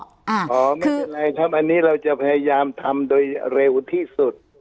อ๋อไม่เป็นไรครับอันนี้เราจะพยายามทำโดยเร็วที่สุด